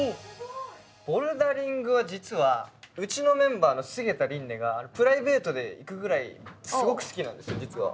ボルダリングは実はうちのメンバーの菅田琳寧がプライベートで行くぐらいすごく好きなんですよ実は。